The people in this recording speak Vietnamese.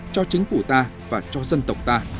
cho chính phủ ta và cho dân tộc ta